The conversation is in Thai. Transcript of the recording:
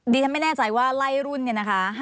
ฉันไม่แน่ใจว่าไล่รุ่นเนี่ยนะคะ